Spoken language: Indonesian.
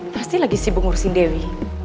pasti lagi sibuk ngurusin dewi